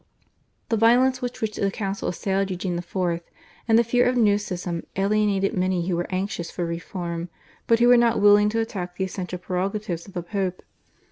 The violence with which the Council assailed Eugene IV., and the fear of a new schism alienated many who were anxious for reform, but who were not willing to attack the essential prerogatives of the Pope.